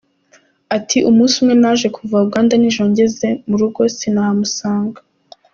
Ati “Umunsi umwe naje kuva Uganda nijoro ngeze mu rugo sinahamusanga.